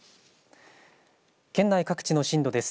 県内各地の震度です。